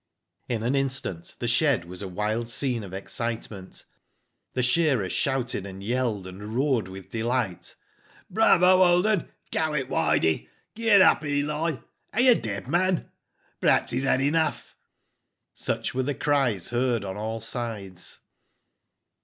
In an instant the shed was a wild scene of ex citement. The shearers shouted, and yelled, and roared, with delight. "Bravo, old 'un I '^ ''Go it, Widey!" ''Get up, Eli!" "Are you dead, man?" Perhaps he's had enough !" Such were the cries heard on all sides.